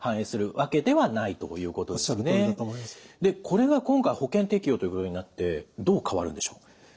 これが今回保険適用ということになってどう変わるんでしょう？